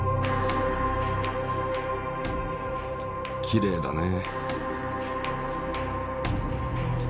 きれいだね。